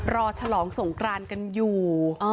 ฉลองสงกรานกันอยู่